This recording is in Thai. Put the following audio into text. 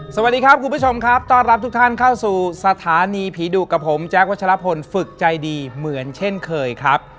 สวัสดีครับคุณผู้ชมครับต้อนรับทุกท่านเข้าสู่สถานีผีดุกับผมแจ๊ควัชลพลฝึกใจดีเหมือนเช่นเคยครับ